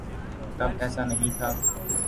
تب ایسا نہیں تھا۔